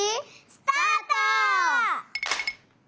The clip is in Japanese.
スタート！